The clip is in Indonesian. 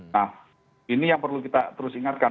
nah ini yang perlu kita terus ingatkan